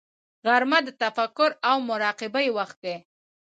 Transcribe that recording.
غرمه د تفکر او مراقبې وخت دی